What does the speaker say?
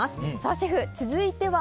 シェフ、続いては？